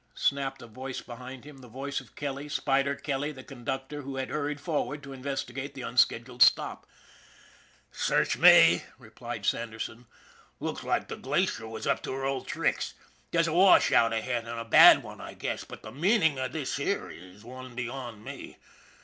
snapped a voice behind him, the voice of Kelly, Spider Kelly, the conduc tor, who had hurried forward to investigate the tin scheduled stop. SHANLEY'S LUCK 119 " Search me," replied Sanderson. " Looks like the Glacier was up to her old tricks. There's a washout ahead, and a bad one, I guess. But the meaning of this here is one beyond me.